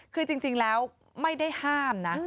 คือจริงแล้วไม่ได้ห้ามนะ